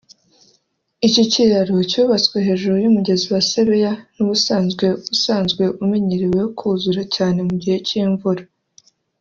Iki kiraro cyubatswe hejuru y’umugezi wa Sebeya n’ubusanzwe usanzwe umenyereweho kuzura cyane mu gihe cy’imvura